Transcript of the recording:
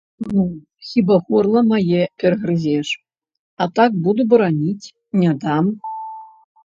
Ну, хіба горла маё перагрызеш, а так буду бараніць, не дам.